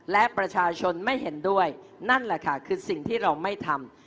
และประชาชนไม่เห็นด้วยนั่นแหละค่ะคือสิ่งที่เราไม่ทำ